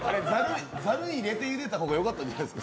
ざる入れてゆでた方がよかったんじゃないですか。